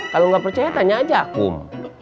kalau nggak percaya tanya aja akum